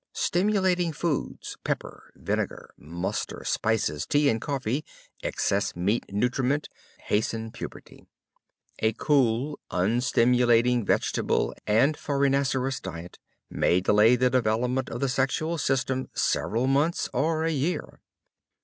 Stimulating foods, pepper, vinegar, mustard, spices, tea and coffee, excess meat nutriment hasten puberty. A cool, unstimulating vegetable and farinaceous diet may delay the development of the sexual system several months or a year.